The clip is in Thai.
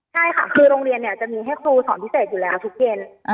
ใช่ค่ะคือโรงเรียนเนี่ยจะมีให้ครูสอนพิเศษอยู่แล้วทุกเย็น